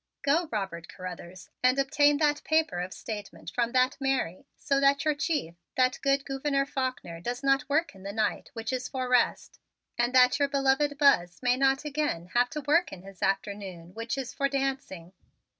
"Go, Robert Carruthers, and obtain that paper of statement from that Mary, so that your chief, that good Gouverneur Faulkner, does not work in the night which is for rest, and that your beloved Buzz may not again have to work in his afternoon which is for dancing.